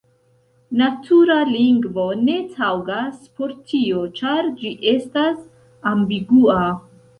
Natura lingvo ne taŭgas por tio, ĉar ĝi estas ambigua.